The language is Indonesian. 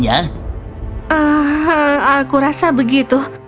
aku rasa begitu